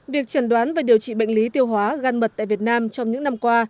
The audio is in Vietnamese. việc trần đoán và điều trị bệnh lý tiêu hóa gan mật tại việt nam trong những năm qua